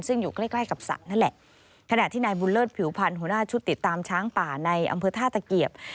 ซึ่งอยู่ใกล้ใกล้กับสระนั่นแหละขณะที่นายบุญเลิศผิวพันธ์หัวหน้าชุดติดตามช้างป่าในอำเภอท่าตะเกียบ